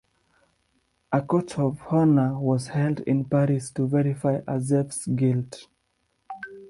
A Court of Honor was held in Paris to verify Azef's guilt.